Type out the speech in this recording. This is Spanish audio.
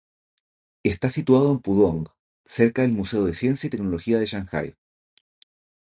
Está situado en Pudong, cerca del Museo de Ciencia y Tecnología de Shanghái.